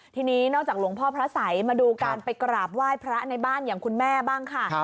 ทีนี้นอกจากหลวงพ่อพระสัยมาดูการไปกราบไหว้พระในบ้านอย่างคุณแม่บ้างค่ะ